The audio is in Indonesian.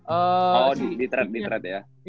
oh di threat ya